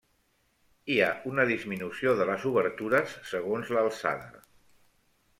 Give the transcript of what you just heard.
Hi ha una disminució de les obertures segons l'alçada.